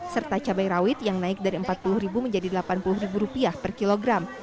serta cabai rawit yang naik dari rp empat puluh menjadi rp delapan puluh per kilogram